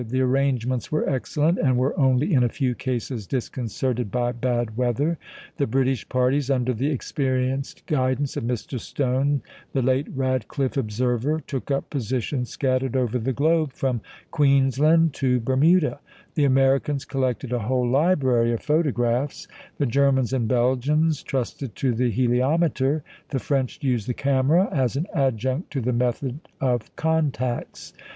The arrangements were excellent, and were only in a few cases disconcerted by bad weather. The British parties, under the experienced guidance of Mr. Stone, the late Radcliffe observer, took up positions scattered over the globe, from Queensland to Bermuda; the Americans collected a whole library of photographs; the Germans and Belgians trusted to the heliometer; the French used the camera as an adjunct to the method of contacts.